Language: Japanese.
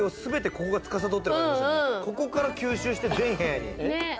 ここから吸収して全部屋に。